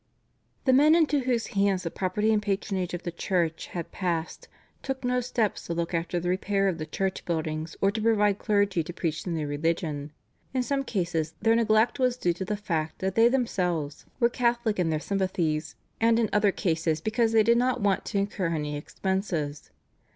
The men into whose hands the property and patronage of the Church had passed took no steps to look after the repair of the church buildings or to provide clergy to preach the new religion. In some cases their neglect was due to the fact that they themselves were Catholic in their sympathies, and in other cases because they did not want to incur any expenses.